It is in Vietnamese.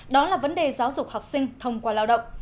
đó là vấn đề giáo dục học sinh thông qua lao động